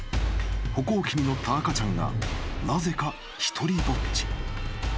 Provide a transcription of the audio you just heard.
［歩行器に乗った赤ちゃんがなぜか独りぼっち］